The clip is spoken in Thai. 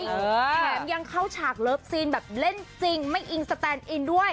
แถมยังเข้าฉากเลิฟซีนแบบเล่นจริงไม่อิงสแตนอินด้วย